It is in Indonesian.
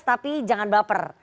tapi jangan baper